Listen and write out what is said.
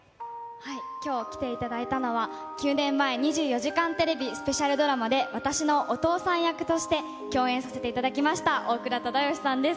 きょう、来ていただいたのは、９年前、２４時間テレビスペシャルドラマで私のお父さん役として共演させていただきました、大倉忠義さんです。